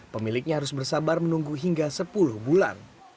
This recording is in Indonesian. pemiliknya harus bersabar menunggu hingga sepuluh bulan